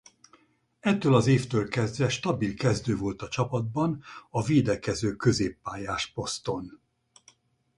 Ettől az évtől kezdve stabil kezdő volt a csapatban a védekező középpályás poszton.